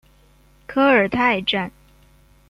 科尔泰站